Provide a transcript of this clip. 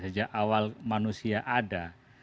sejak awal manusia ada